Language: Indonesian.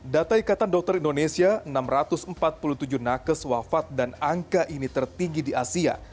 data ikatan dokter indonesia enam ratus empat puluh tujuh nakes wafat dan angka ini tertinggi di asia